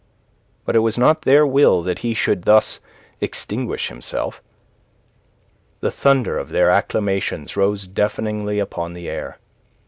But it was not their will that he should thus extinguish himself. The thunder of their acclamations rose deafeningly upon the air.